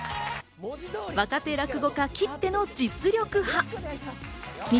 若手落語家きっての実力派。